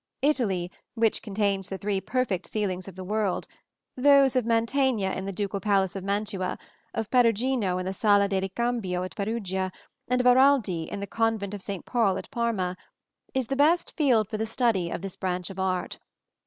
Italy, which contains the three perfect ceilings of the world those of Mantegna in the ducal palace of Mantua (see Plate XXV), of Perugino in the Sala del Cambio at Perugia and of Araldi in the Convent of St. Paul at Parma is the best field for the study of this branch of art.